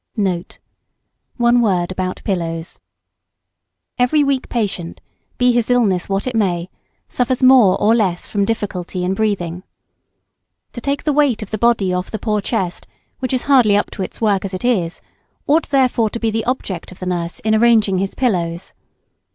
NOTE. One word about pillows. Every weak patient, be his illness what it may, suffers more or less from difficulty in breathing. To take the weight of the body off the poor chest, which is hardly up to its work as it is, ought therefore to be the object of the nurse in arranging his pillows.